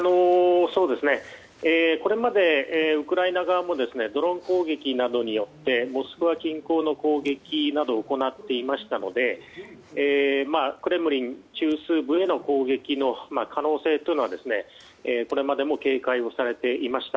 これまでウクライナ側もドローン攻撃などによってモスクワ近郊の攻撃を行っていましたのでクレムリン中枢部への攻撃の可能性というのはこれまでも警戒されていました。